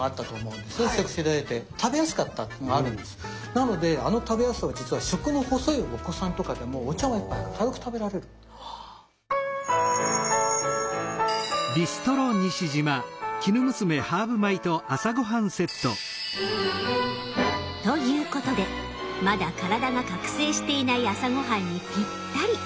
なのであの食べやすさは実は食の細いお子さんとかでもお茶碗一杯が軽く食べられる。ということでまだ体が覚醒していない朝ごはんにぴったり。